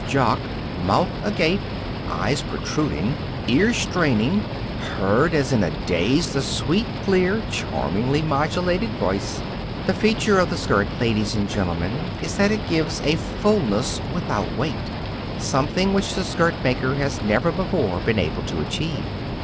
Jock, mouth agape, eyes protruding, ears straining, heard, as in a daze, the sweet, clear, charmingly modulated voice: "The feature of the skirt, ladies and gentlemen, is that it gives a fulness without weight, something which the skirt maker has never before been able to achieve.